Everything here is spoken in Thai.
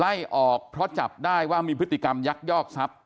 ไล่ออกเพราะจับได้ว่ามีพฤติกรรมยักยอกทรัพย